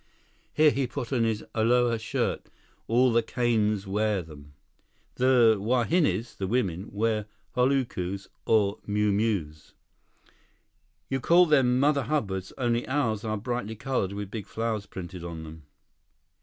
"Here, put on this aloha shirt—all the kanes wear them. The wahines, the women, wear holukus or muumuus. You call them mother hubbards, only ours are brightly colored with big flowers printed on them."